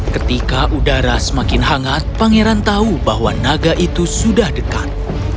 ketika udara semakin hangat pangeran tahu bahwa naga itu sudah dekat